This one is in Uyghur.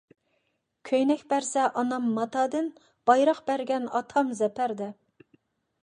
كۆينەك بەرسە ئانام ماتادىن، بايراق بەرگەن ئاتام زەپەردە.